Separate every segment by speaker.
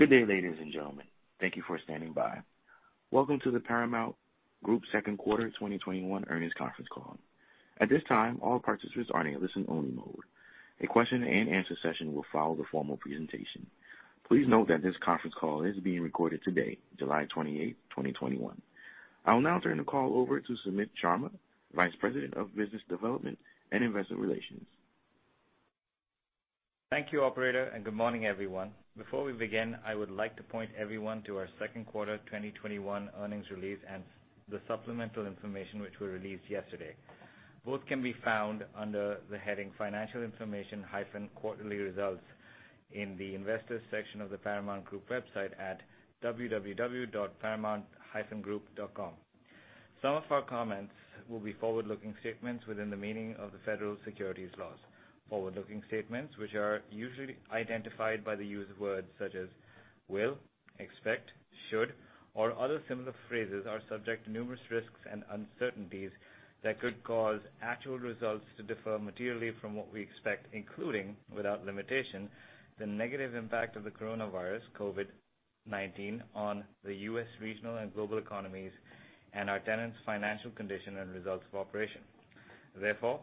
Speaker 1: Good day, ladies and gentlemen. Thank you for standing by. Welcome to the Paramount Group second quarter 2021 earnings conference call. At this time, all participants are in a listen only mode. A question and answer session will follow the formal presentation. Please note that this conference call is being recorded today, July 28, 2021. I'll now turn the call over to Sumit Sharma, Vice President of Business Development and Investor Relations.
Speaker 2: Thank you, operator, and good morning, everyone. Before we begin, I would like to point everyone to our second quarter 2021 earnings release and the supplemental information which we released yesterday. Both can be found under the heading Financial Information-Quarterly Results in the Investors section of the Paramount Group website at www.paramount-group.com. Some of our comments will be forward-looking statements within the meaning of the federal securities laws. Forward-looking statements, which are usually identified by the use of words such as will, expect, should, or other similar phrases, are subject to numerous risks and uncertainties that could cause actual results to differ materially from what we expect, including, without limitation, the negative impact of the coronavirus, COVID-19, on the U.S. regional and global economies and our tenants' financial condition and results of operation. Therefore,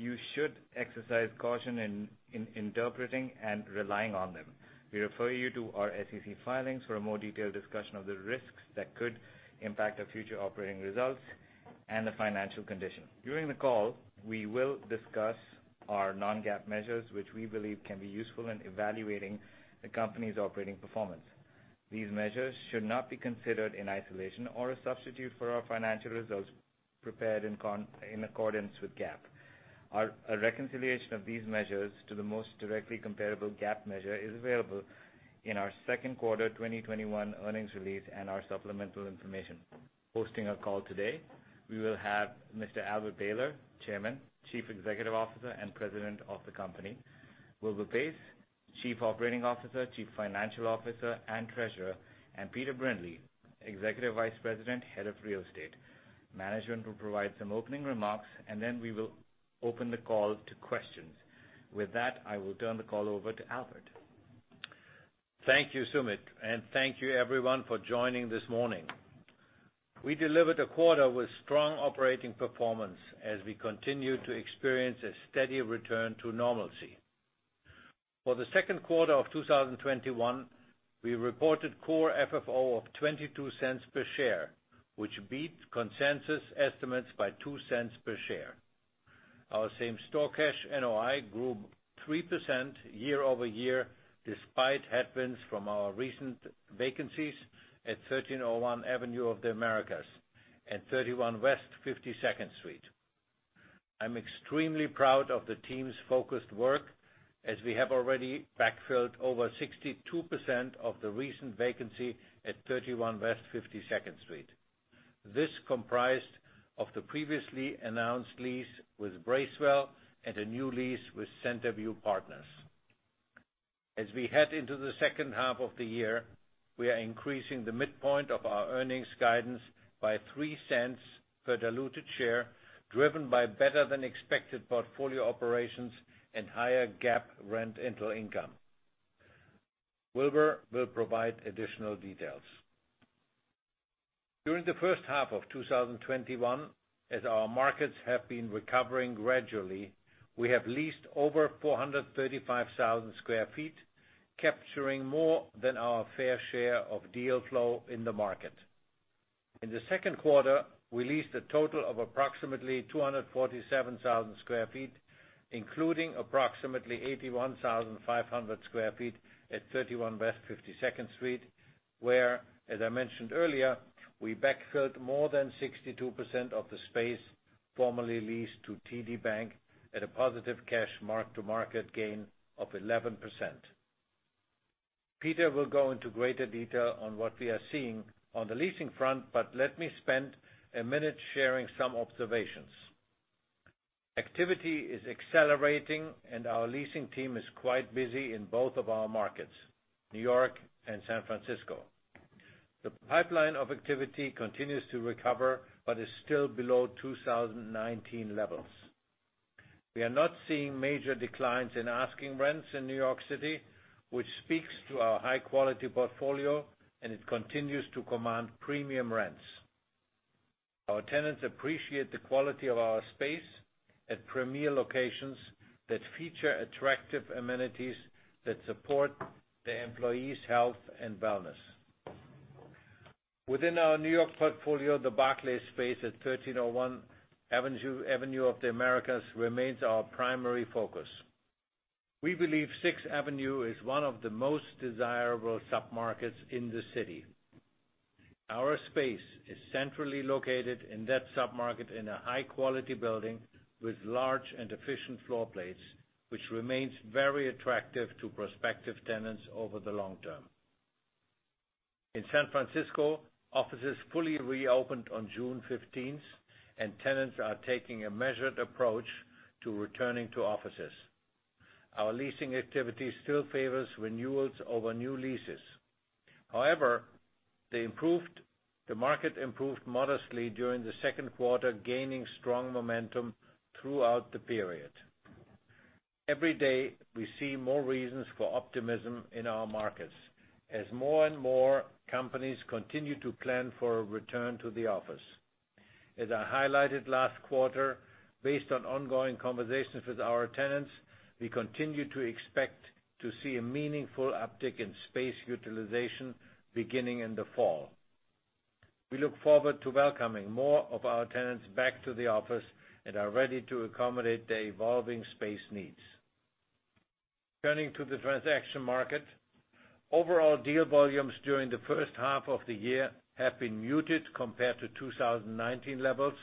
Speaker 2: you should exercise caution in interpreting and relying on them. We refer you to our SEC filings for a more detailed discussion of the risks that could impact our future operating results and the financial condition. During the call, we will discuss our non-GAAP measures, which we believe can be useful in evaluating the company's operating performance. These measures should not be considered in isolation or a substitute for our financial results prepared in accordance with GAAP. A reconciliation of these measures to the most directly comparable GAAP measure is available in our second quarter 2021 earnings release and our supplemental information. Hosting our call today, we will have Mr. Albert Behler, Chairman, Chief Executive Officer, and President of the company. Wilbur Paes, Chief Operating Officer, Chief Financial Officer, and Treasurer, and Peter Brindley, Executive Vice President, Head of Real Estate. Management will provide some opening remarks, and then we will open the call to questions. With that, I will turn the call over to Albert.
Speaker 3: Thank you, Sumit, and thank you everyone for joining this morning. We delivered a quarter with strong operating performance as we continue to experience a steady return to normalcy. For the second quarter of 2021, we reported Core FFO of $0.22 per share, which beat consensus estimates by $0.02 per share. Our same-store Cash NOI grew 3% year-over-year despite headwinds from our recent vacancies at 1301 Avenue of the Americas and 31 West 52nd Street. I'm extremely proud of the team's focused work as we have already backfilled over 62% of the recent vacancy at 31 West 52nd Street. This comprised of the previously announced lease with Bracewell and a new lease with Centerview Partners. As we head into the second half of the year, we are increasing the midpoint of our earnings guidance by $0.03 per diluted share, driven by better than expected portfolio operations and higher GAAP rental income. Wilbur will provide additional details. During the first half of 2021, as our markets have been recovering gradually, we have leased over 435,000 sq ft, capturing more than our fair share of deal flow in the market. In the second quarter, we leased a total of approximately 247,000 sq ft, including approximately 81,500 sq ft at 31 West 52nd Street, where, as I mentioned earlier, we backfilled more than 62% of the space formerly leased to TD Bank at a positive cash mark-to-market gain of 11%. Peter will go into greater detail on what we are seeing on the leasing front, let me spend a minute sharing some observations. Activity is accelerating and our leasing team is quite busy in both of our markets, New York and San Francisco. The pipeline of activity continues to recover but is still below 2019 levels. We are not seeing major declines in asking rents in New York City, which speaks to our high quality portfolio, and it continues to command premium rents. Our tenants appreciate the quality of our space at premier locations that feature attractive amenities that support their employees' health and wellness. Within our New York portfolio, the Barclays space at 1301 Avenue of the Americas remains our primary focus. We believe Sixth Avenue is one of the most desirable submarkets in the city. Our space is centrally located in that submarket in a high-quality building with large and efficient floor plates, which remains very attractive to prospective tenants over the long term. In San Francisco, offices fully reopened on June 15th. Tenants are taking a measured approach to returning to offices. Our leasing activity still favors renewals over new leases. The market improved modestly during the second quarter, gaining strong momentum throughout the period. Every day, we see more reasons for optimism in our markets as more and more companies continue to plan for a return to the office. As I highlighted last quarter, based on ongoing conversations with our tenants, we continue to expect to see a meaningful uptick in space utilization beginning in the fall. We look forward to welcoming more of our tenants back to the office and are ready to accommodate their evolving space needs. Turning to the transaction market, overall deal volumes during the first half of the year have been muted compared to 2019 levels,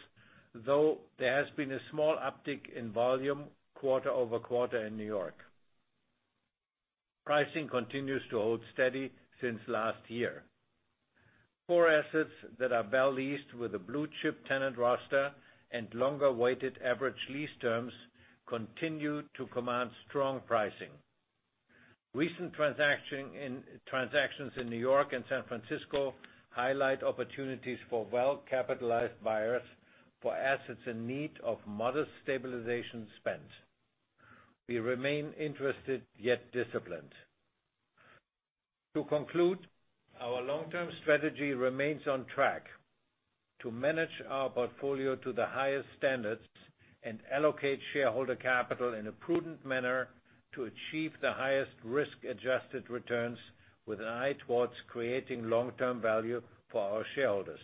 Speaker 3: though there has been a small uptick in volume quarter-over-quarter in New York. Pricing continues to hold steady since last year. Core assets that are well leased with a blue-chip tenant roster and longer weighted average lease terms continue to command strong pricing. Recent transactions in New York and San Francisco highlight opportunities for well-capitalized buyers for assets in need of modest stabilization spend. We remain interested, yet disciplined. To conclude, our long-term strategy remains on track to manage our portfolio to the highest standards and allocate shareholder capital in a prudent manner to achieve the highest risk-adjusted returns with an eye towards creating long-term value for our shareholders.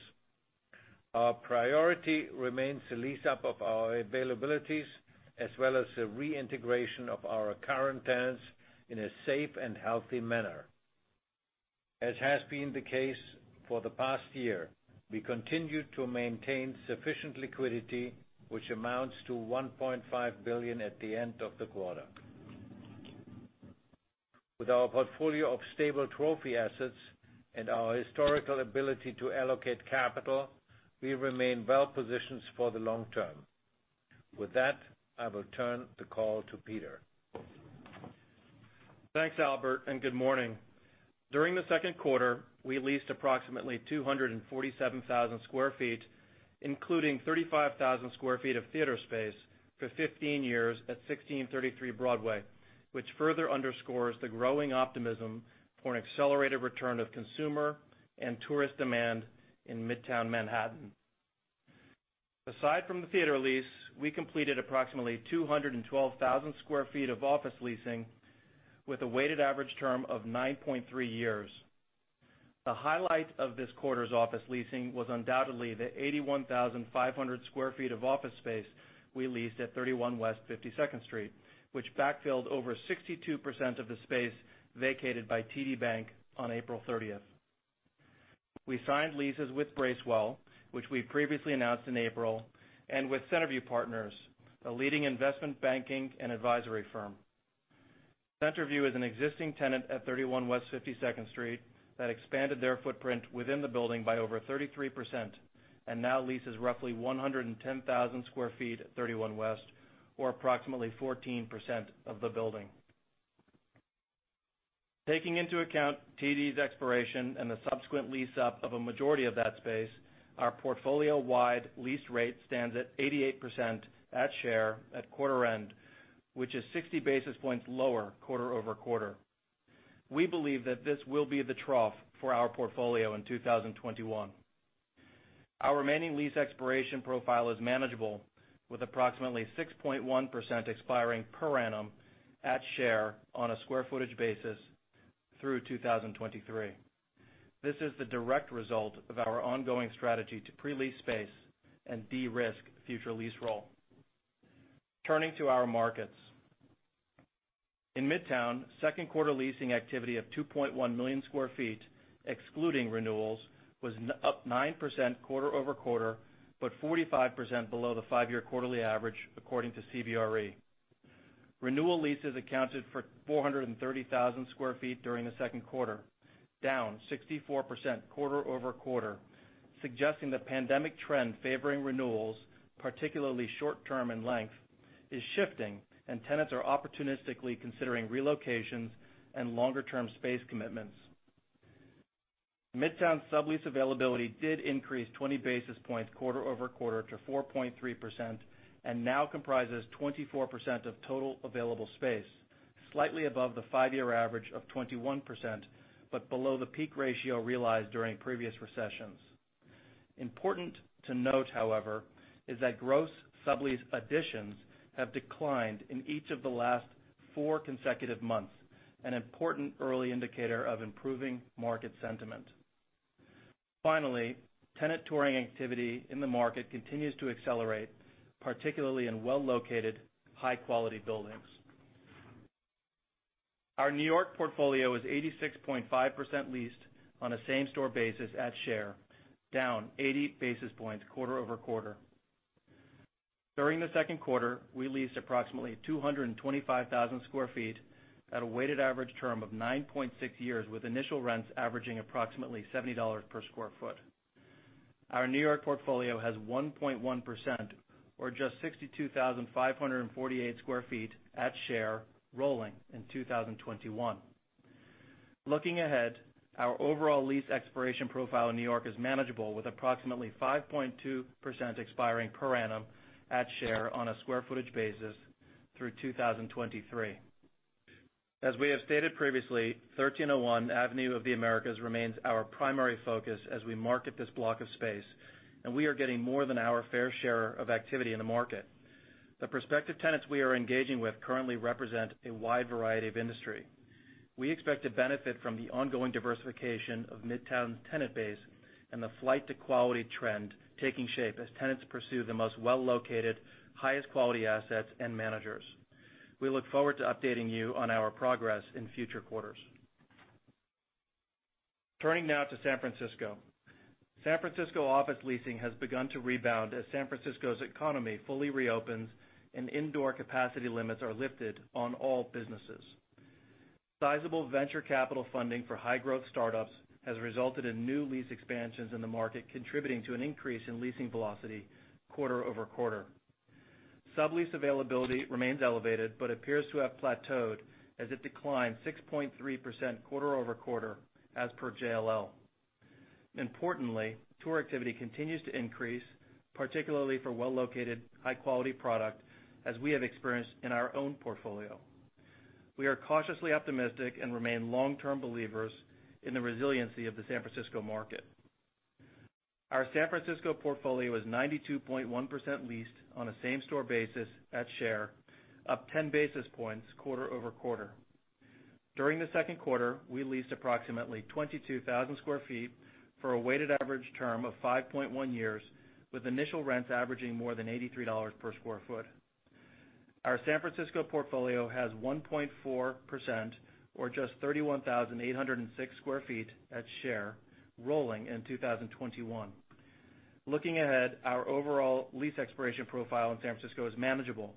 Speaker 3: Our priority remains the lease up of our availabilities as well as the reintegration of our current tenants in a safe and healthy manner. As has been the case for the past year, we continue to maintain sufficient liquidity, which amounts to $1.5 billion at the end of the quarter. With our portfolio of stable trophy assets and our historical ability to allocate capital, we remain well-positioned for the long term. With that, I will turn the call to Peter.
Speaker 4: Thanks, Albert, good morning. During the second quarter, we leased approximately 247,000 sq ft, including 35,000 sq ft of theater space for 15 years at 1633 Broadway, which further underscores the growing optimism for an accelerated return of consumer and tourist demand in Midtown Manhattan. Aside from the theater lease, we completed approximately 212,000 sq ft of office leasing with a weighted average term of 9.3 years. The highlight of this quarter's office leasing was undoubtedly the 81,500 sq ft of office space we leased at 31 West 52nd Street, which backfilled over 62% of the space vacated by TD Bank on April 30th. We signed leases with Bracewell, which we previously announced in April, and with Centerview Partners, a leading investment banking and advisory firm. Centerview is an existing tenant at 31 West 52nd Street that expanded their footprint within the building by over 33% and now leases roughly 110,000 sq ft at 31 West, or approximately 14% of the building. Taking into account TD's expiration and the subsequent lease up of a majority of that space, our portfolio-wide lease rate stands at 88% at share at quarter end, which is 60 basis points lower quarter-over-quarter. We believe that this will be the trough for our portfolio in 2021. Our remaining lease expiration profile is manageable, with approximately 6.1% expiring per annum at share on a square footage basis through 2023. This is the direct result of our ongoing strategy to pre-lease space and de-risk future lease roll. Turning to our markets. In Midtown, second quarter leasing activity of 2.1 million sq ft, excluding renewals, was up 9% quarter-over-quarter, but 45% below the five-year quarterly average, according to CBRE. Renewal leases accounted for 430,000 sq ft during the second quarter, down 64% quarter-over-quarter, suggesting the pandemic trend favoring renewals, particularly short-term in length, is shifting and tenants are opportunistically considering relocations and longer-term space commitments. Midtown sublease availability did increase 20 basis points quarter-over-quarter to 4.3% and now comprises 24% of total available space, slightly above the five-year average of 21%, but below the peak ratio realized during previous recessions. Important to note, however, is that gross sublease additions have declined in each of the last four consecutive months, an important early indicator of improving market sentiment. Finally, tenant touring activity in the market continues to accelerate, particularly in well-located, high-quality buildings. Our New York portfolio is 86.5% leased on a same-store basis at share, down 80 basis points quarter-over-quarter. During the second quarter, we leased approximately 225,000 sq ft at a weighted average term of 9.6 years, with initial rents averaging approximately $70 per square foot. Our New York portfolio has 1.1%, or just 62,548 sq ft at share, rolling in 2021. Looking ahead, our overall lease expiration profile in New York is manageable, with approximately 5.2% expiring per annum at share on a square footage basis through 2023. As we have stated previously, 1301 Avenue of the Americas remains our primary focus as we market this block of space, and we are getting more than our fair share of activity in the market. The prospective tenants we are engaging with currently represent a wide variety of industry. We expect to benefit from the ongoing diversification of Midtown's tenant base and the flight to quality trend taking shape as tenants pursue the most well-located, highest-quality assets and managers. We look forward to updating you on our progress in future quarters. Turning now to San Francisco. San Francisco office leasing has begun to rebound as San Francisco's economy fully reopens and indoor capacity limits are lifted on all businesses. Sizable venture capital funding for high-growth startups has resulted in new lease expansions in the market, contributing to an increase in leasing velocity quarter-over-quarter. Sublease availability remains elevated but appears to have plateaued, as it declined 6.3% quarter-over-quarter as per JLL. Importantly, tour activity continues to increase, particularly for well-located, high-quality product, as we have experienced in our own portfolio. We are cautiously optimistic and remain long-term believers in the resiliency of the San Francisco market. Our San Francisco portfolio is 92.1% leased on a same-store basis at share, up 10 basis points quarter-over-quarter. During the second quarter, we leased approximately 22,000 sq ft for a weighted average term of 5.1 years, with initial rents averaging more than $83 per square foot. Our San Francisco portfolio has 1.4%, or just 31,806 sq ft at share, rolling in 2021. Looking ahead, our overall lease expiration profile in San Francisco is manageable,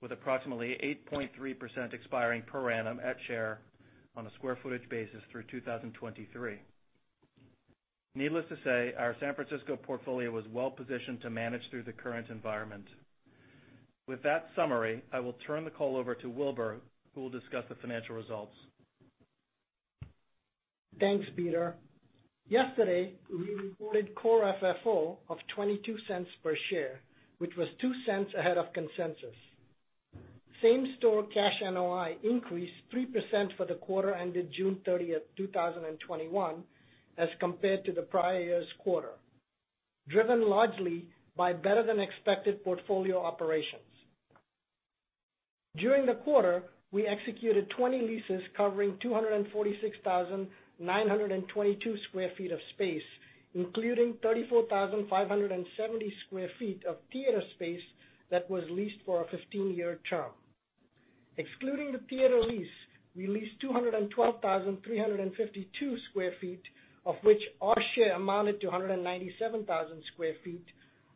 Speaker 4: with approximately 8.3% expiring per annum at share on a square footage basis through 2023. Needless to say, our San Francisco portfolio was well positioned to manage through the current environment. With that summary, I will turn the call over to Wilbur, who will discuss the financial results.
Speaker 5: Thanks, Peter. Yesterday, we reported Core FFO of $0.22 per share, which was $0.02 ahead of consensus. Same-store Cash NOI increased 3% for the quarter ended June 30th, 2021 as compared to the prior year's quarter, driven largely by better-than-expected portfolio operations. During the quarter, we executed 20 leases covering 246,922 sq ft of space, including 34,570 sq ft of theater space that was leased for a 15-year term. Excluding the theater lease, we leased 212,352 sq ft, of which our share amounted to 197,000 sq ft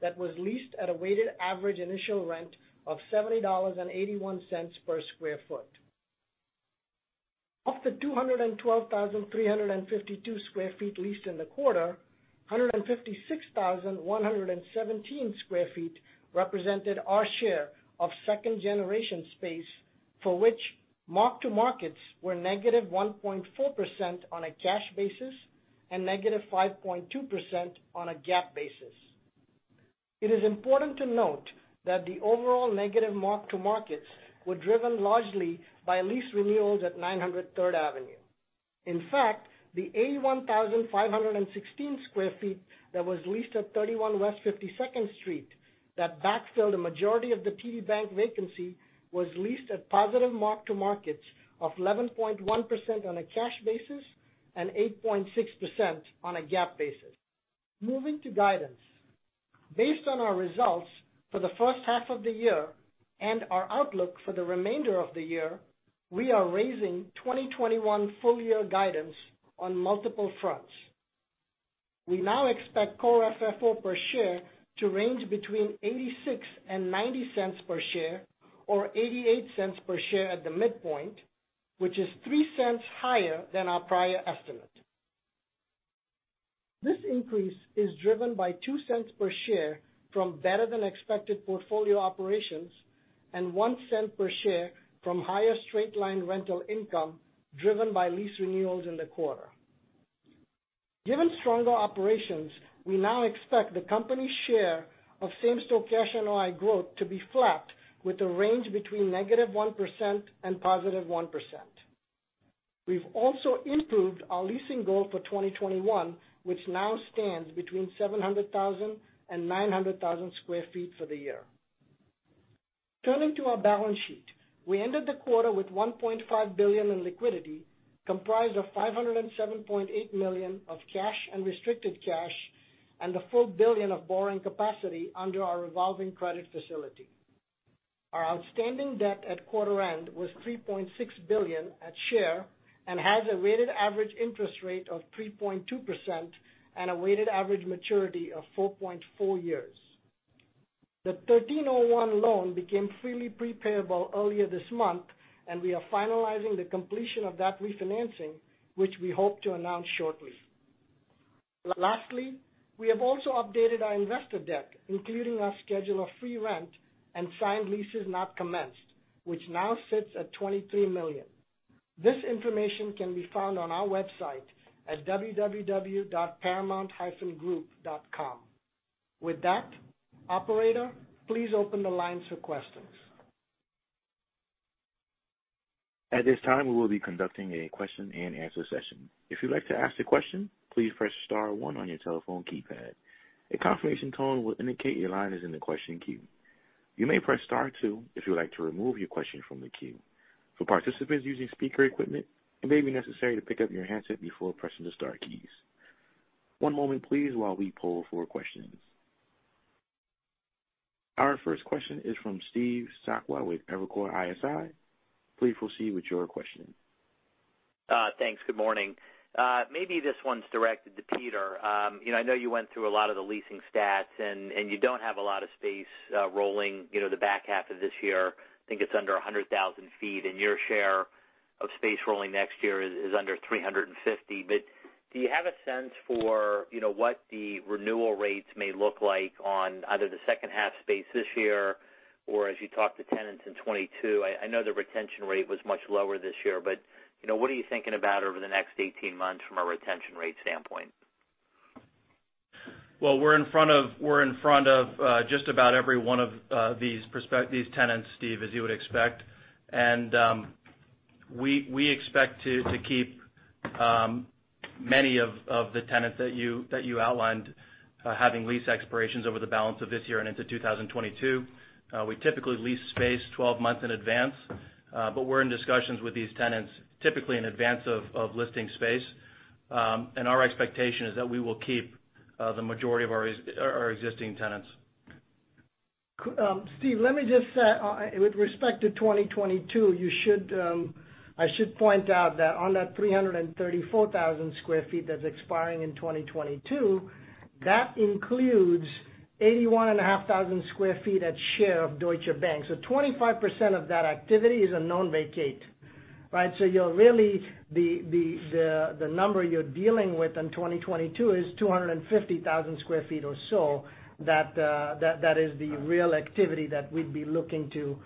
Speaker 5: that was leased at a weighted average initial rent of $70.81 per square foot. Of the 212,352 sq ft leased in the quarter, 156,117 sq ft represented our share of 2nd-generation space, for which mark-to-markets were -1.4% on a cash basis and -5.2% on a GAAP basis. It is important to note that the overall negative mark-to-market were driven largely by lease renewals at 900 Third Avenue. In fact, the 81,516 sq ft that was leased at 31 West 52nd Street that backfilled the majority of the TD Bank vacancy was leased at positive mark-to-market of 11.1% on a cash basis and 8.6% on a GAAP basis. Moving to guidance. Based on our results for the first half of the year and our outlook for the remainder of the year, we are raising 2021 full year guidance on multiple fronts. We now expect Core FFO per share to range between $0.86 and $0.90 per share, or $0.88 per share at the midpoint, which is $0.03 higher than our prior estimate. This increase is driven by $0.02 per share from better than expected portfolio operations and $0.01 per share from higher straight line rental income driven by lease renewals in the quarter. Given stronger operations, we now expect the company's share of same-store Cash NOI growth to be flat, with a range between -1% and 1%. We've also improved our leasing goal for 2021, which now stands between 700,000 sq ft and 900,000 sq ft for the year. Turning to our balance sheet. We ended the quarter with $1.5 billion in liquidity, comprised of $507.8 million of cash and restricted cash and a full $1 billion of borrowing capacity under our revolving credit facility. Our outstanding debt at quarter end was $3.6 billion at share and has a weighted average interest rate of 3.2% and a weighted average maturity of 4.4 years. The 1301 loan became freely prepayable earlier this month, and we are finalizing the completion of that refinancing, which we hope to announce shortly. Lastly, we have also updated our investor deck, including our schedule of free rent and signed leases not commenced, which now sits at $23 million. This information can be found on our website at www.paramount-group.com. With that, operator, please open the lines for questions.
Speaker 1: At this time, we will be conducting a question and answer session. If you'd like to ask a question, please press star one on your telephone keypad. A confirmation tone will indicate your line is in the question queue. You may press star two if you'd like to remove your question from the queue. For participants using speaker equipment, it may be necessary to pick up your handset before pressing the star keys. One moment please, while we poll for questions. Our first question is from Steve Sakwa with Evercore ISI. Please proceed with your questioning.
Speaker 6: Thanks. Good morning. Maybe this one's directed to Peter. I know you went through a lot of the leasing stats, and you don't have a lot of space rolling the back half of this year, I think it's under 100,000 sq ft, and your share of space rolling next year is under 350,000 sq ft. Do you have a sense for what the renewal rates may look like on either the second half space this year, or as you talk to tenants in 2022, I know the retention rate was much lower this year, but what are you thinking about over the next 18 months from a retention rate standpoint?
Speaker 4: We're in front of just about every one of these tenants, Steve, as you would expect. We expect to keep many of the tenants that you outlined having lease expirations over the balance of this year and into 2022. We typically lease space 12 months in advance, but we're in discussions with these tenants, typically in advance of listing space. Our expectation is that we will keep the majority of our existing tenants.
Speaker 5: Steve, let me just say, with respect to 2022, I should point out that on that 334,000 sq ft that's expiring in 2022, that includes 81,500 sq ft at share of Deutsche Bank. Right? Really, the number you're dealing with in 2022 is 250,000 sq ft or so. That is the real activity that we'd be looking to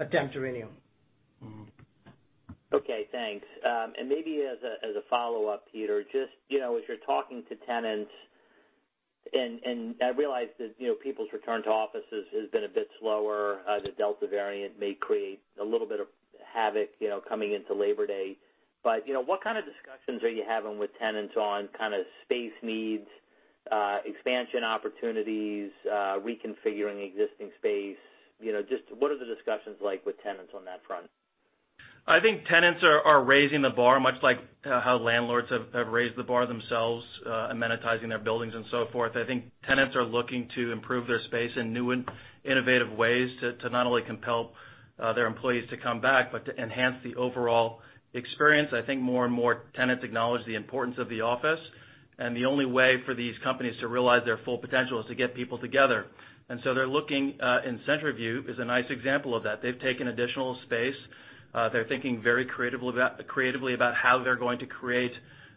Speaker 5: attempt to renew.
Speaker 6: Okay, thanks. Maybe as a follow-up, Peter, as you're talking to tenants, and I realize that people's return to offices has been a bit slower. The Delta variant may create a little bit of havoc coming into Labor Day. What kind of discussions are you having with tenants on space needs, expansion opportunities, reconfiguring existing space? Just what are the discussions like with tenants on that front?
Speaker 4: I think tenants are raising the bar, much like how landlords have raised the bar themselves, amenitizing their buildings and so forth. I think tenants are looking to improve their space in new and innovative ways to not only compel their employees to come back, but to enhance the overall experience. I think more and more tenants acknowledge the importance of the office. The only way for these companies to realize their full potential is to get people together. They're looking. Centerview is a nice example of that. They've taken additional space. They're thinking very creatively about how they're going to create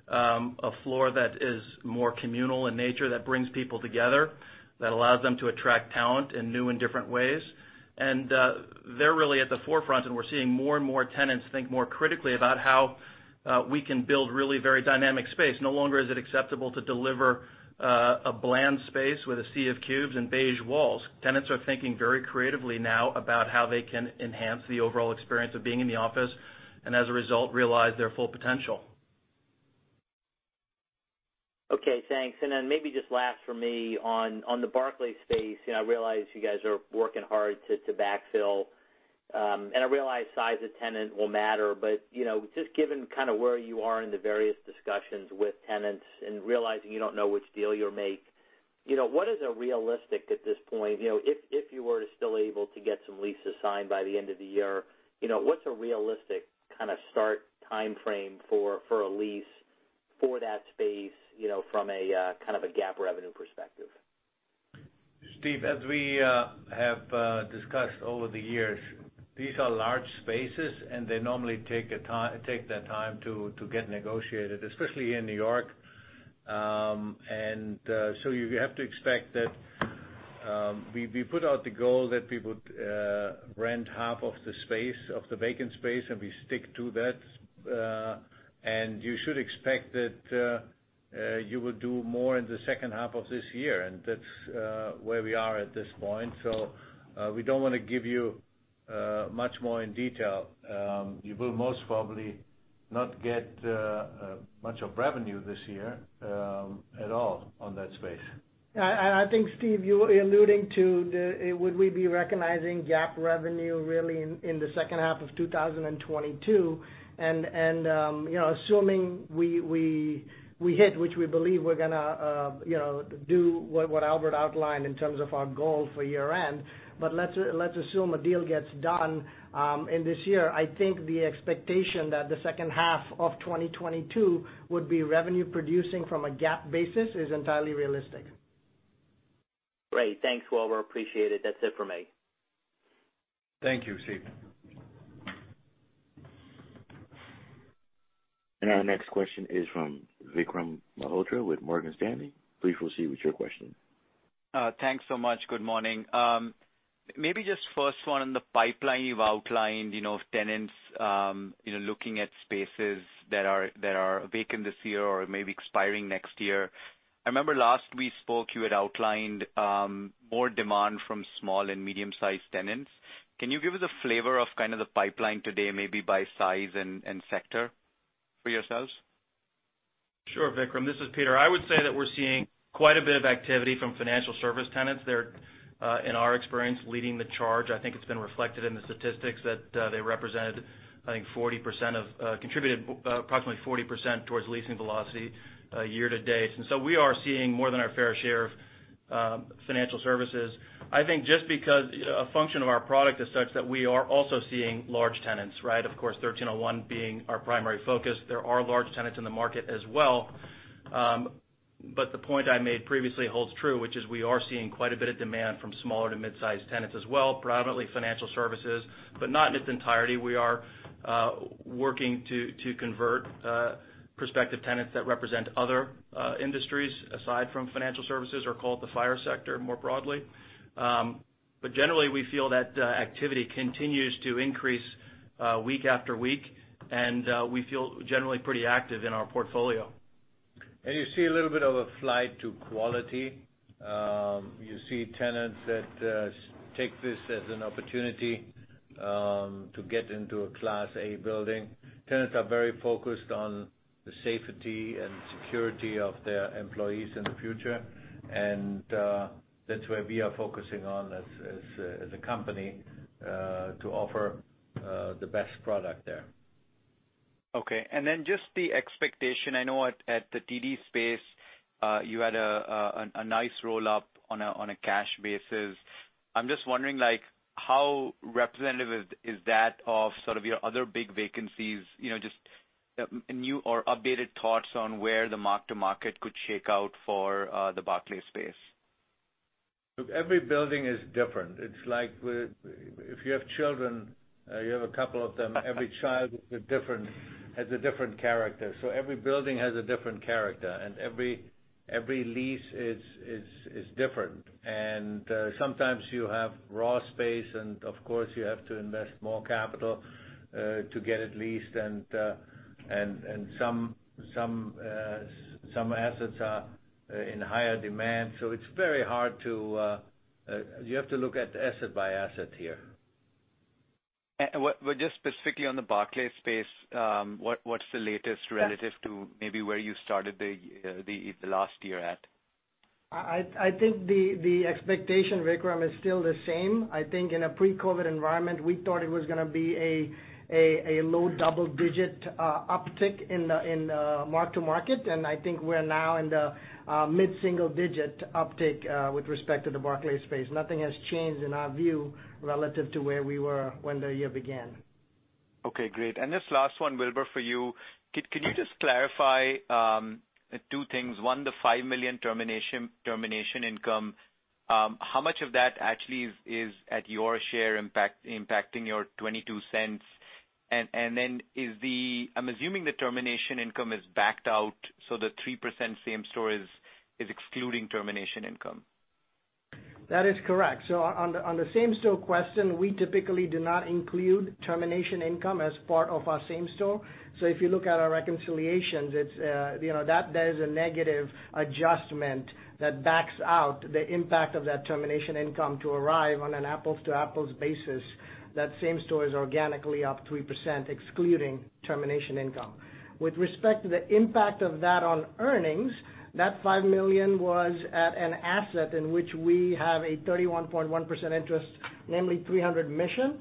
Speaker 4: a floor that is more communal in nature, that brings people together, that allows them to attract talent in new and different ways. They're really at the forefront, and we're seeing more and more tenants think more critically about how we can build really very dynamic space. No longer is it acceptable to deliver a bland space with a sea of cubes and beige walls. Tenants are thinking very creatively now about how they can enhance the overall experience of being in the office, and as a result, realize their full potential.
Speaker 6: Okay, thanks. Maybe just last from me on the Barclays space, I realize you guys are working hard to backfill, and I realize size of tenant will matter, but just given kind of where you are in the various discussions with tenants and realizing you don't know which deal you'll make, what is a realistic at this point, if you were to still able to get some leases signed by the end of the year, what's a realistic kind of start time frame for a lease for that space from a kind of a GAAP revenue perspective?
Speaker 3: Steve, as we have discussed over the years, these are large spaces, and they normally take their time to get negotiated, especially in New York. You have to expect that we put out the goal that we would rent half of the vacant space, and we stick to that. You should expect that you will do more in the second half of this year, and that's where we are at this point. We don't want to give you much more in detail. You will most probably not get much of revenue this year at all on that space.
Speaker 5: I think, Steve, you're alluding to would we be recognizing GAAP revenue really in the second half of 2022, and assuming we hit, which we believe we're going to do what Albert outlined in terms of our goal for year-end. Let's assume a deal gets done in this year. I think the expectation that the second half of 2022 would be revenue producing from a GAAP basis is entirely realistic.
Speaker 6: Great. Thanks, Wilbur. Appreciate it. That's it from me.
Speaker 3: Thank you, Steve.
Speaker 1: Our next question is from Vikram Malhotra with Morgan Stanley. Please proceed with your question.
Speaker 7: Thanks so much. Good morning. Maybe just first one on the pipeline you've outlined, tenants, looking at spaces that are vacant this year or maybe expiring next year. I remember last we spoke, you had outlined, more demand from small and medium-sized tenants. Can you give us a flavor of kind of the pipeline today, maybe by size and sector for yourselves?
Speaker 4: Sure, Vikram, this is Peter. I would say that we're seeing quite a bit of activity from financial service tenants. They're, in our experience, leading the charge. I think it's been reflected in the statistics that they represented, contributed approximately 40% towards leasing velocity year-to-date. We are seeing more than our fair share of financial services. I think just because a function of our product is such that we are also seeing large tenants, right? Of course, 1301 being our primary focus. There are large tenants in the market as well. The point I made previously holds true, which is we are seeing quite a bit of demand from smaller to mid-size tenants as well, predominantly financial services, but not in its entirety. We are working to convert prospective tenants that represent other industries aside from financial services or call it the FIRE sector more broadly. Generally, we feel that activity continues to increase week after week, and we feel generally pretty active in our portfolio.
Speaker 3: You see a little bit of a flight to quality. You see tenants that take this as an opportunity to get into a Class A building. Tenants are very focused on the safety and security of their employees in the future, and that's where we are focusing on as a company to offer the best product there.
Speaker 7: Okay. Just the expectation. I know at the TD space, you had a nice roll-up on a cash basis. I am just wondering like, how representative is that of sort of your other big vacancies? New or updated thoughts on where the mark-to-market could shake out for the Barclays space?
Speaker 3: Every building is different. It's like if you have children, you have a couple of them, every child has a different character. Every building has a different character. Every lease is different. Sometimes you have raw space, and of course, you have to invest more capital to get it leased, and some assets are in higher demand. You have to look at asset by asset here.
Speaker 7: Just specifically on the Barclays space, what's the latest relative to maybe where you started the last year at?
Speaker 5: I think the expectation, Vikram, is still the same. I think in a pre-COVID environment, we thought it was going to be a low double-digit uptick in the mark-to-market, and I think we're now in the mid-single-digit uptick with respect to the Barclays space. Nothing has changed in our view relative to where we were when the year began.
Speaker 7: Okay, great. This last one, Wilbur, for you. Can you just clarify two things? One, the $5 million termination income. How much of that actually is at your share impacting your $0.22? I'm assuming the termination income is backed out, so the 3% same-store is excluding termination income.
Speaker 5: That is correct. On the same-store question, we typically do not include termination income as part of our same-store. If you look at our reconciliations, that is a negative adjustment that backs out the impact of that termination income to arrive on an apples-to-apples basis. That same-store is organically up 3%, excluding termination income. With respect to the impact of that on earnings, that $5 million was at an asset in which we have a 31.1% interest, namely 300 Mission.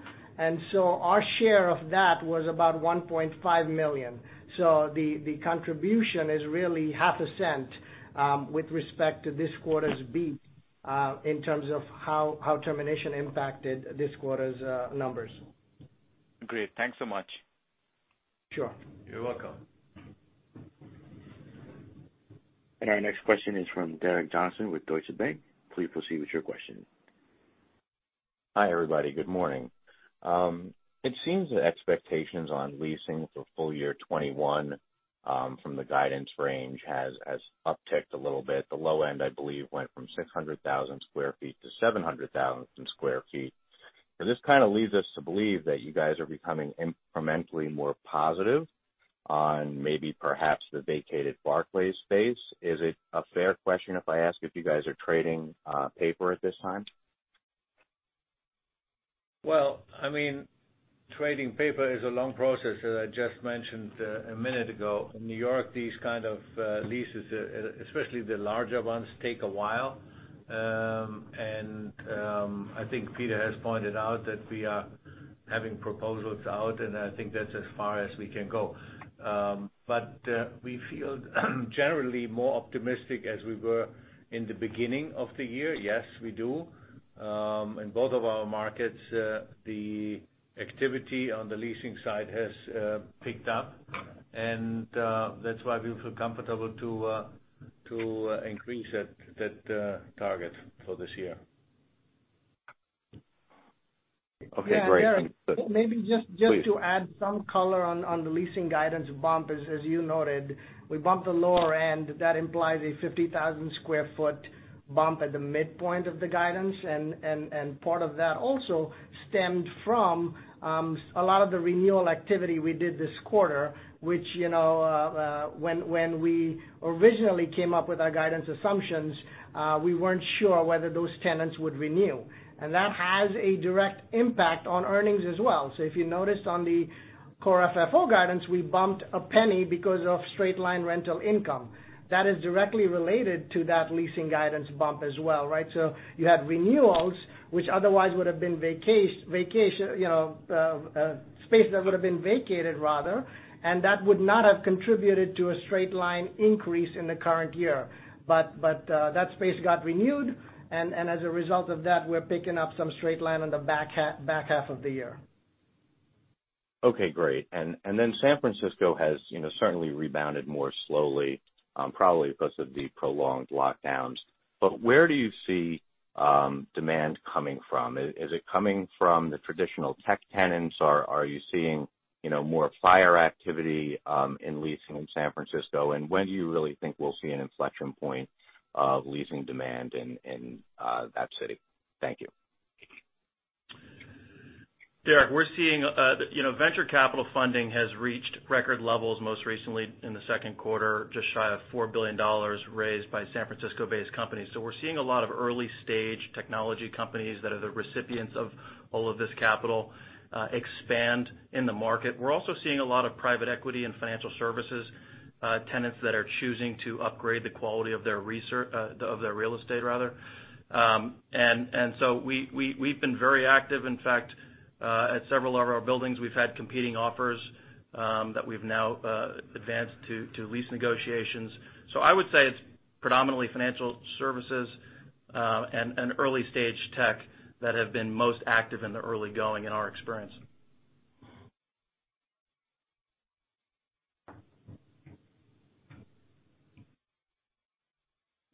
Speaker 5: Our share of that was about $1.5 million. The contribution is really $0.005 with respect to this quarter's beat in terms of how termination impacted this quarter's numbers.
Speaker 7: Great. Thanks so much.
Speaker 5: Sure.
Speaker 3: You're welcome.
Speaker 1: Our next question is from Derek Johnson with Deutsche Bank. Please proceed with your question.
Speaker 8: Hi, everybody. Good morning. It seems the expectations on leasing for full year 2021, from the guidance range, has upticked a little bit. The low end, I believe, went from 600,000 sq ft to 700,000 sq ft. This kind of leads us to believe that you guys are becoming incrementally more positive on maybe perhaps the vacated Barclays space. Is it a fair question if I ask if you guys are trading paper at this time?
Speaker 3: Trading paper is a long process. As I just mentioned a minute ago, in New York, these kind of leases, especially the larger ones, take a while. I think Peter has pointed out that we are having proposals out, and I think that's as far as we can go. We feel generally more optimistic as we were in the beginning of the year. Yes, we do. In both of our markets, the activity on the leasing side has picked up, and that's why we feel comfortable to increase that target for this year.
Speaker 8: Okay, great.
Speaker 5: Yeah, Derek.
Speaker 8: Please.
Speaker 5: Just to add some color on the leasing guidance bump, as you noted. We bumped the lower end, that implies a 50,000 sq ft bump at the midpoint of the guidance, part of that also stemmed from a lot of the renewal activity we did this quarter, which when we originally came up with our guidance assumptions, we weren't sure whether those tenants would renew. That has a direct impact on earnings as well. If you noticed on the Core FFO guidance, we bumped $0.01 because of straight line rental income. That is directly related to that leasing guidance bump as well, Right? You had renewals which otherwise would've been space that would've been vacated, rather, and that would not have contributed to a straight line increase in the current year. That space got renewed, and as a result of that, we're picking up some straight line on the back half of the year.
Speaker 8: Okay, great. San Francisco has certainly rebounded more slowly, probably because of the prolonged lockdowns. Where do you see demand coming from? Is it coming from the traditional tech tenants, or are you seeing more FIRE activity in leasing in San Francisco? When do you really think we'll see an inflection point of leasing demand in that city? Thank you.
Speaker 4: Derek, we're seeing venture capital funding has reached record levels, most recently in the second quarter, just shy of $4 billion raised by San Francisco-based companies. We're seeing a lot of early-stage technology companies that are the recipients of all of this capital expand in the market. We're also seeing a lot of private equity and financial services, tenants that are choosing to upgrade the quality of their real estate. We've been very active. In fact, at several of our buildings, we've had competing offers, that we've now advanced to lease negotiations. I would say it's predominantly financial services, and early-stage tech that have been most active in the early going in our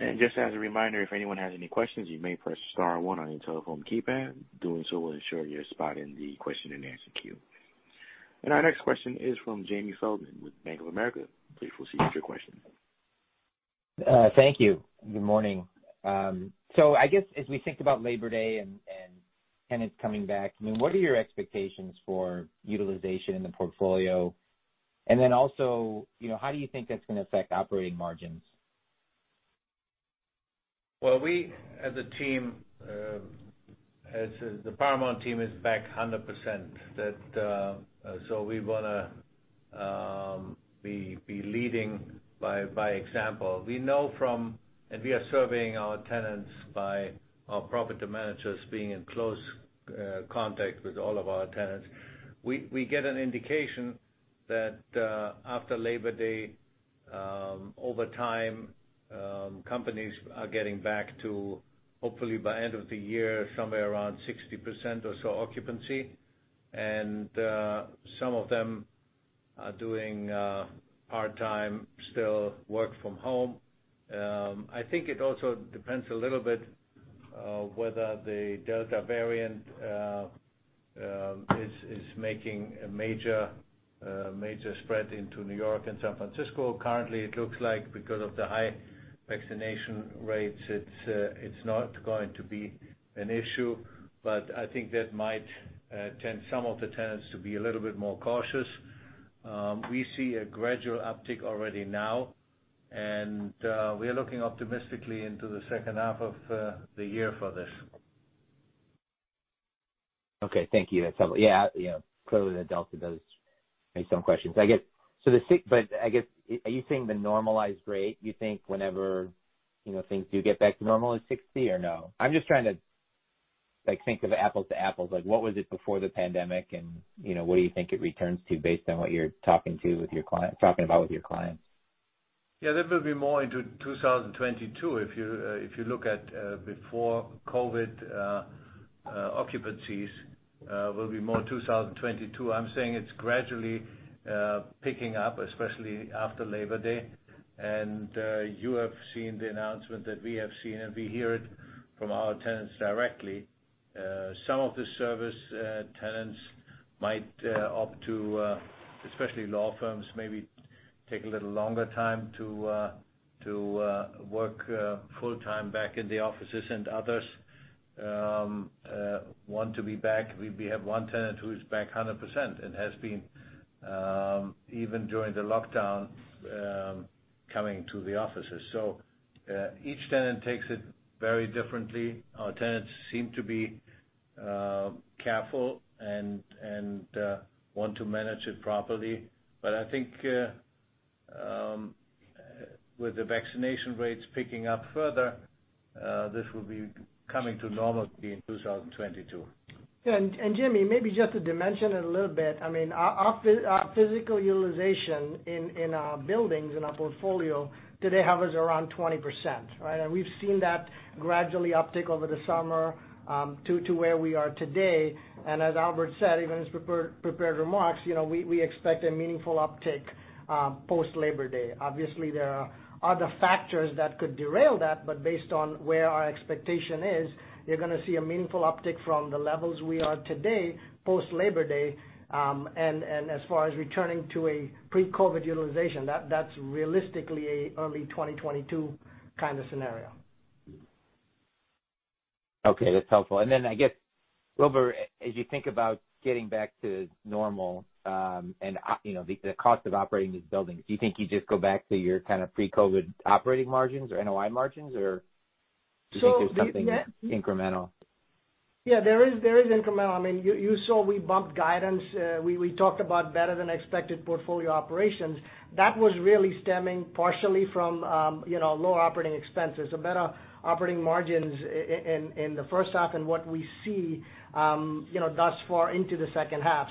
Speaker 4: experience.
Speaker 1: Just as a reminder, if anyone has any questions, you may press star one on your telephone keypad. Doing so will ensure your spot in the question and answer queue. Our next question is from Jamie Feldman with Bank of America. Please proceed with your question.
Speaker 9: Thank you. Good morning. I guess as we think about Labor Day and tenants coming back, what are your expectations for utilization in the portfolio? Also, how do you think that's going to affect operating margins?
Speaker 3: Well, we as a team, as the Paramount team is back 100%. We want to be leading by example. We know from, and we are surveying our tenants by our property managers being in close contact with all of our tenants. We get an indication that, after Labor Day, over time, companies are getting back to hopefully by end of the year, somewhere around 60% or so occupancy. Some of them are doing part-time, still work from home. I think it also depends a little bit, whether the Delta variant is making a major spread into New York and San Francisco. Currently, it looks like because of the high vaccination rates, it's not going to be an issue, but I think that might tempt some of the tenants to be a little bit more cautious. We see a gradual uptick already now, and we are looking optimistically into the second half of the year for this.
Speaker 9: Okay. Thank you. That's helpful. Yeah. Clearly the Delta does raise some questions. I guess, are you saying the normalized rate, you think whenever things do get back to normal is 60% or no? I'm just trying to think of apples to apples, like what was it before the pandemic and what do you think it returns to based on what you're talking about with your clients?
Speaker 3: That will be more into 2022. If you look at before COVID-19, occupancies will be more 2022. I'm saying it's gradually picking up, especially after Labor Day. You have seen the announcement that we have seen, and we hear it from our tenants directly. Some of the service tenants might opt to, especially law firms, maybe take a little longer time to work full time back in the offices, and others want to be back. We have one tenant who is back 100% and has been, even during the lockdown, coming to the offices. Each tenant takes it very differently. Our tenants seem to be careful and want to manage it properly. I think with the vaccination rates picking up further, this will be coming to normalcy in 2022.
Speaker 5: Yeah. Jamie, maybe just to dimension it a little bit. Our physical utilization in our buildings, in our portfolio today hovers around 20%, right? We've seen that gradually uptick over the summer, to where we are today. As Albert said, even his prepared remarks, we expect a meaningful uptick post Labor Day. Obviously, there are other factors that could derail that, but based on where our expectation is, you're going to see a meaningful uptick from the levels we are today post Labor Day. As far as returning to a pre-COVID-19 utilization, that's realistically an early 2022 kind of scenario.
Speaker 9: Okay, that's helpful. I guess, Wilbur, as you think about getting back to normal, and the cost of operating these buildings, do you think you just go back to your pre-COVID operating margins or NOI margins?
Speaker 5: So the-.
Speaker 9: Do you think there's something incremental?
Speaker 5: Yeah, there is incremental. You saw we bumped guidance. We talked about better than expected portfolio operations. That was really stemming partially from lower operating expenses or better operating margins in the first half and what we see thus far into the second half.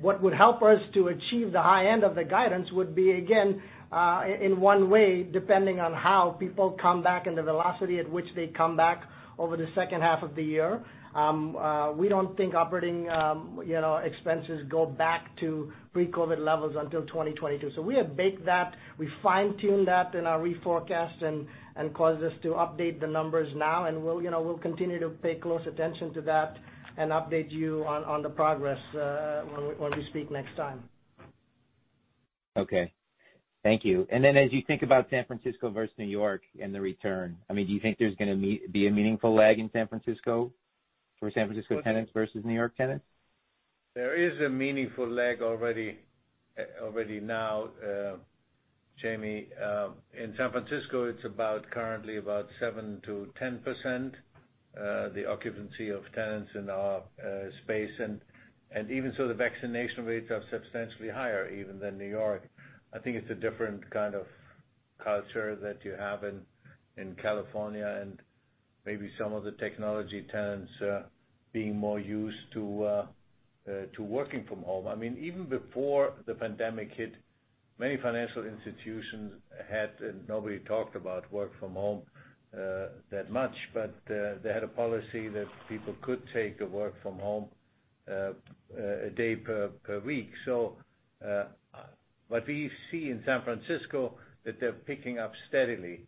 Speaker 5: What would help us to achieve the high end of the guidance would be, again, in one way, depending on how people come back and the velocity at which they come back over the second half of the year. We don't think operating expenses go back to pre-COVID levels until 2022. We have baked that, we fine-tuned that in our re-forecast and caused us to update the numbers now. We'll continue to pay close attention to that and update you on the progress, when we speak next time.
Speaker 9: Okay. Thank you. Then as you think about San Francisco versus New York and the return, do you think there's going to be a meaningful lag in San Francisco for San Francisco tenants versus New York tenants?
Speaker 3: There is a meaningful lag already now, Jamie. In San Francisco, it's currently about 7%-10%, the occupancy of tenants in our space. Even so, the vaccination rates are substantially higher even than New York. I think it's a different kind of culture that you have in California and maybe some of the technology tenants being more used to working from home. Even before the pandemic hit, many financial institutions had, and nobody talked about work from home that much, but they had a policy that people could take a work from home a day per week. We see in San Francisco that they're picking up steadily,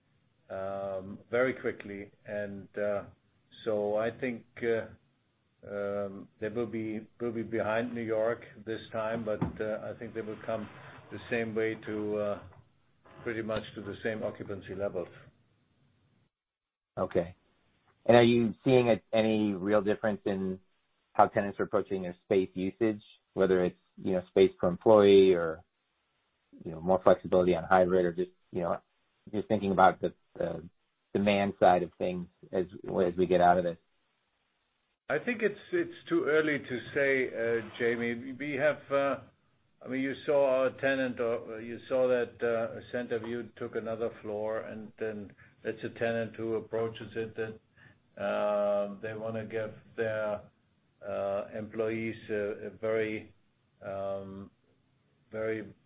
Speaker 3: very quickly. I think they will be behind New York this time, but I think they will come the same way to pretty much to the same occupancy levels.
Speaker 9: Are you seeing any real difference in how tenants are approaching their space usage, whether it's space per employee or more flexibility on hybrid or just thinking about the demand side of things as we get out of this?
Speaker 3: I think it's too early to say, Jamie. You saw our tenant, or you saw that Centerview took another floor, and then that's a tenant who approaches it, that they want to give their employees a very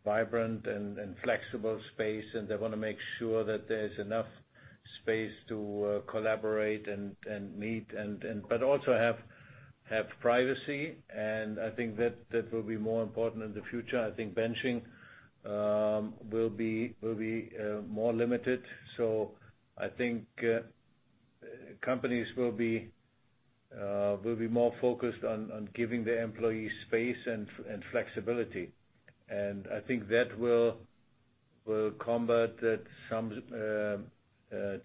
Speaker 3: vibrant and flexible space, and they want to make sure that there's enough space to collaborate and meet but also have privacy. I think that will be more important in the future. I think benching will be more limited. I think companies will be more focused on giving their employees space and flexibility. I think that will combat that some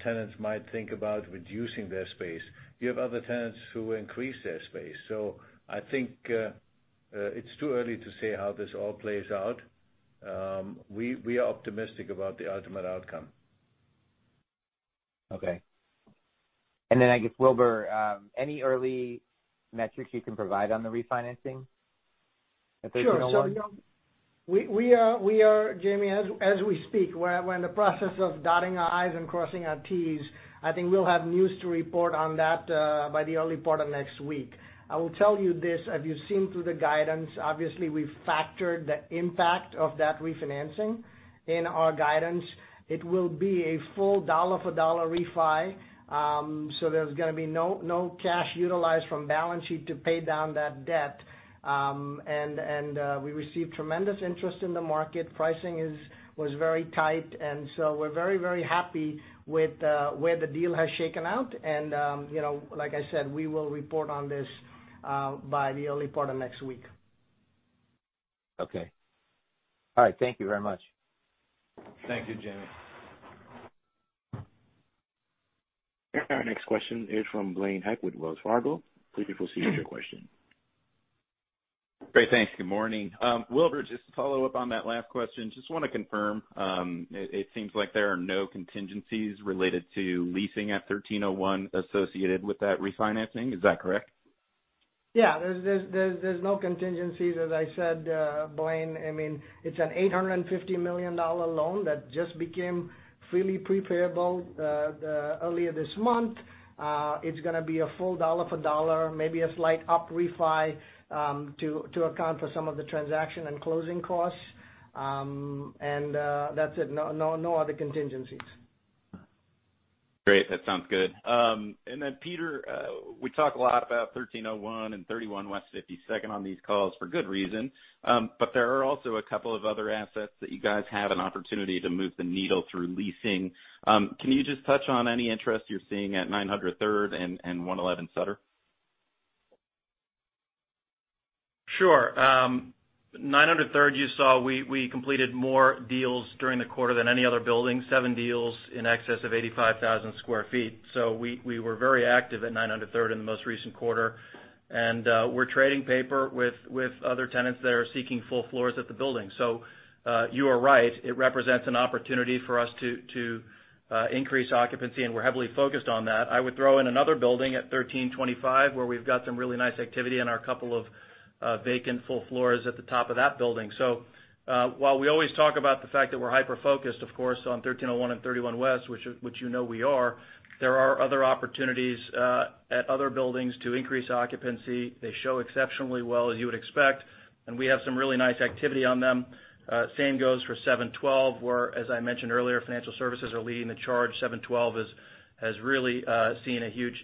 Speaker 3: tenants might think about reducing their space. You have other tenants who increase their space. I think it's too early to say how this all plays out. We are optimistic about the ultimate outcome.
Speaker 9: Okay. I guess, Wilbur, any early metrics you can provide on the refinancing at 1301?
Speaker 5: Sure. Jamie, as we speak, we're in the process of dotting our I's and crossing our T's. I think we'll have news to report on that by the early part of next week. I will tell you this, as you've seen through the guidance, obviously, we've factored the impact of that refinancing in our guidance. It will be a full dollar-for-dollar refinancing. There's going to be no cash utilized from balance sheet to pay down that debt. We received tremendous interest in the market. Pricing was very tight, and so we're very happy with where the deal has shaken out. Like I said, we will report on this by the early part of next week.
Speaker 9: Okay. All right. Thank you very much.
Speaker 3: Thank you, Jamie.
Speaker 1: Our next question is from Blaine Heck with Wells Fargo. Please proceed with your question.
Speaker 10: Great. Thanks. Good morning. Wilbur, just to follow up on that last question, just want to confirm, it seems like there are no contingencies related to leasing at 1301 associated with that refinancing. Is that correct?
Speaker 5: Yeah. There's no contingencies, as I said, Blaine. It's an $850 million loan that just became fully pre-payable earlier this month. It's going to be a full dollar for dollar, maybe a slight up refi, to account for some of the transaction and closing costs. That's it. No other contingencies.
Speaker 10: Great. That sounds good. Peter, we talk a lot about 1301 and 31 West 52nd on these calls for good reason. There are also a couple of other assets that you guys have an opportunity to move the needle through leasing. Can you just touch on any interest you're seeing at 900 Third and 111 Sutter?
Speaker 4: Sure. 900 Third, you saw we completed more deals during the quarter than any other building, seven deals in excess of 85,000 sq ft. We were very active at 900 Third in the most recent quarter. We're trading paper with other tenants that are seeking full floors at the building. You are right, it represents an opportunity for us to increase occupancy, and we're heavily focused on that. I would throw in another building at 1325, where we've got some really nice activity in our couple of vacant full floors at the top of that building. While we always talk about the fact that we're hyper-focused, of course, on 1301 and 31 West, which you know we are, there are other opportunities at other buildings to increase occupancy. They show exceptionally well, as you would expect, we have some really nice activity on them. Same goes for 712, where, as I mentioned earlier, financial services are leading the charge. 712 has really seen a huge,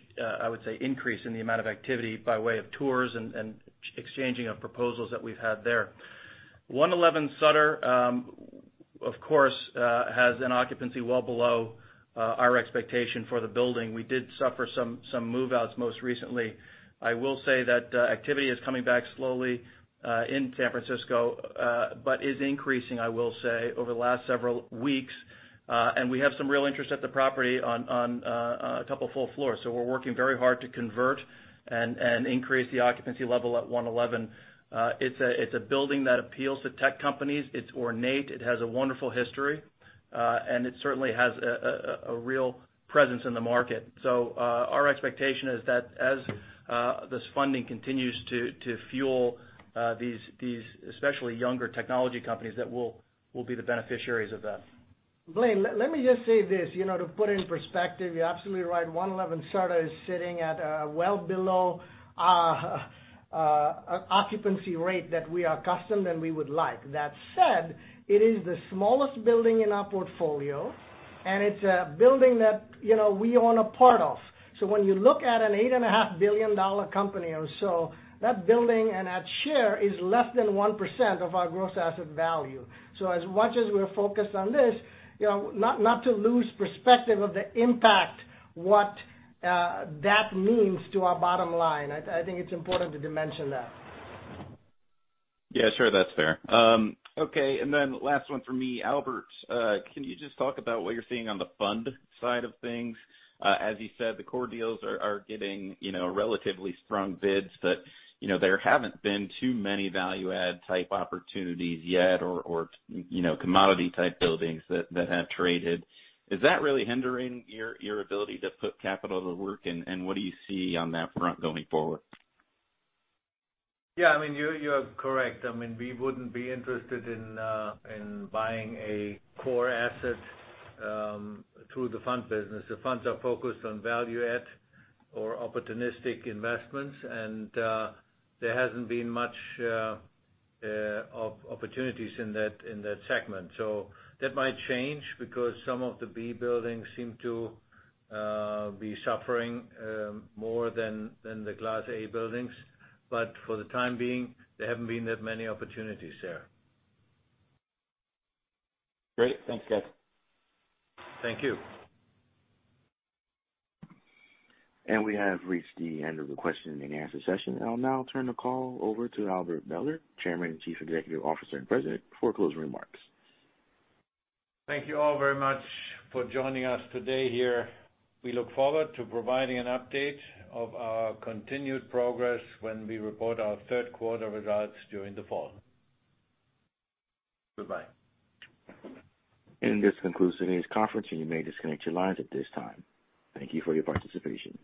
Speaker 4: I would say, increase in the amount of activity by way of tours and exchanging of proposals that we've had there. 111 Sutter, of course, has an occupancy well below our expectation for the building. We did suffer some move-outs most recently. I will say that activity is coming back slowly in San Francisco, but is increasing, I will say, over the last several weeks. We have some real interest at the property on a couple full floors. We're working very hard to convert and increase the occupancy level at 111. It's a building that appeals to tech companies. It's ornate, it has a wonderful history, and it certainly has a real presence in the market. Our expectation is that as this funding continues to fuel these especially younger technology companies, that we'll be the beneficiaries of that.
Speaker 5: Blaine, let me just say this. To put it in perspective, you're absolutely right. 111 Sutter is sitting at a well below occupancy rate that we are accustomed and we would like. That said, it is the smallest building in our portfolio, and it's a building that we own a part of. When you look at an $8.5 billion company or so, that building and that share is less than 1% of our gross asset value. As much as we're focused on this, not to lose perspective of the impact, what that means to our bottom line. I think it's important to mention that.
Speaker 10: Yeah, sure. That's fair. Okay, last one from me. Albert, can you just talk about what you're seeing on the fund side of things? As you said, the core deals are getting relatively strong bids, but there haven't been too many value-add type opportunities yet or commodity-type buildings that have traded. Is that really hindering your ability to put capital to work, and what do you see on that front going forward?
Speaker 3: Yeah, you are correct. We wouldn't be interested in buying a core asset through the fund business. The funds are focused on value add or opportunistic investments, and there hasn't been much of opportunities in that segment. That might change because some of the B buildings seem to be suffering more than the Class A buildings. For the time being, there haven't been that many opportunities there.
Speaker 10: Great. Thanks, guys.
Speaker 3: Thank you.
Speaker 1: We have reached the end of the question and answer session. I'll now turn the call over to Albert Behler, Chairman, Chief Executive Officer, and President, for closing remarks.
Speaker 3: Thank you all very much for joining us today here. We look forward to providing an update of our continued progress when we report our third quarter results during the fall. Goodbye.
Speaker 1: This concludes today's conference, and you may disconnect your lines at this time. Thank you for your participation.